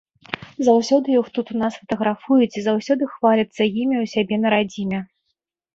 Заўсёды іх тут у нас фатаграфуюць і заўсёды хваляцца імі ў сябе на радзіме.